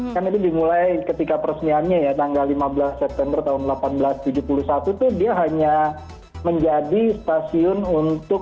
kan itu dimulai ketika peresmiannya ya tanggal lima belas september tahun seribu delapan ratus tujuh puluh satu tuh dia hanya menjadi stasiun untuk